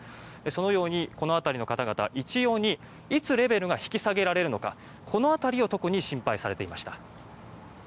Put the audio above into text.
そのようにこの辺りの方々一様に、いつレベルが引き下げられるのかこの辺りを特に心配されていました。